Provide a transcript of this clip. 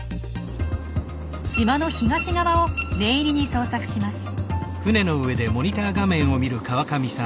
島の東側を念入りに捜索します。